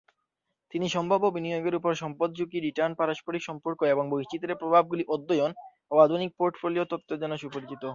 তিনি সম্ভাব্য বিনিয়োগের উপর সম্পদ ঝুঁকি, রিটার্ন, পারস্পরিক সম্পর্ক এবং বৈচিত্র্যের প্রভাবগুলি অধ্যয়ন ও আধুনিক পোর্টফোলিও তত্ত্বের জন্য সুপরিচিত।